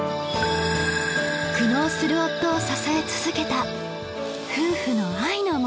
苦悩する夫を支え続けた夫婦の愛の物語